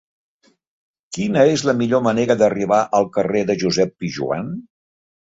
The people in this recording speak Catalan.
Quina és la millor manera d'arribar al carrer de Josep Pijoan?